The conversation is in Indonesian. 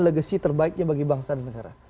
legacy terbaiknya bagi bangsa dan negara